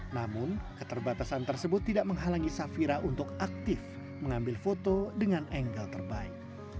namun keterbatasan tersebut tidak menghalangi safira untuk aktif mengambil foto dengan angle terbaik